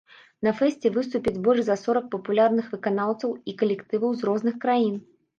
На фэсце выступяць больш за сорак папулярных выканаўцаў і калектываў з розных краін.